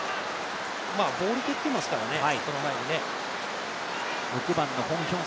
ボール蹴ってますからね、その前に。